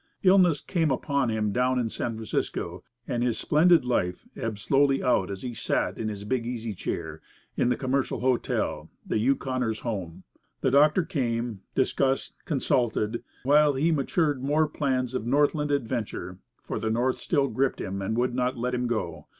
Illness came upon him down in San Francisco, and his splendid life ebbed slowly out as he sat in his big easy chair, in the Commercial Hotel, the "Yukoner's home." The doctors came, discussed, consulted, the while he matured more plans of Northland adventure; for the North still gripped him and would not let him go.